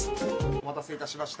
お待たせいたしました。